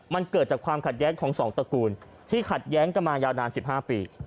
มันเกิดจากความขัดแย้งของสองตระกูลที่ขัดแย้งกันมายาวนาน๑๕ปี